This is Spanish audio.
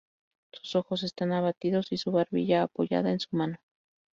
Sus ojos están abatidos y su barbilla apoyada en su mano.